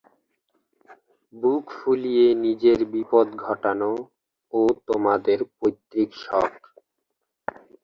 বুক ফুলিয়ে নিজের বিপদ ঘটানো ও তোমাদের পৈতৃক শখ।